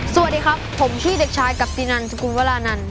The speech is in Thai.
สวัสดีครับผมชื่อเด็กชายกับตินันสกุลวรานันท